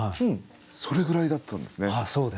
それぐらいだったんですね。